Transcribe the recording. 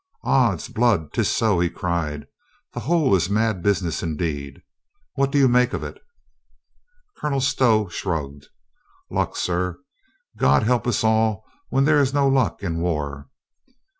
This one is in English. "Ods blood, 'tis so," he cried. "The whole is a mad business indeed. What do you make of it?" Colonel Stow shrugged. "Luck, sir. God help us all when there is no luck in war.